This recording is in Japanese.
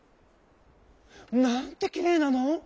「なんてきれいなの。